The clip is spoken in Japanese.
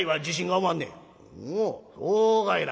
「おおそうかいな。